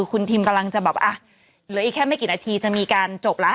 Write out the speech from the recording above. คุณทิมกำลังจะแบบอ่ะเหลืออีกแค่ไม่กี่นาทีจะมีการจบแล้ว